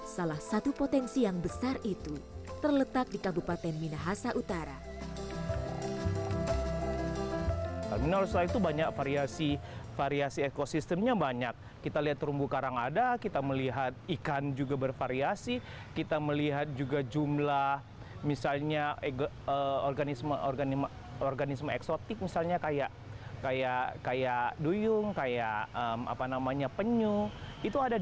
salah satu potensi yang besar itu terletak di kabupaten minahasa utara